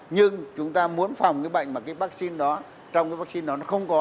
nhưng chúng ta muốn phòng cái bệnh mà cái vaccine đó trong cái vaccine đó nó không có